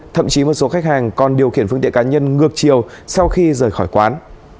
thậm chí một số khách hàng còn điều khiển phương tiện cá nhân ngược chiều sau khi rời khỏi quán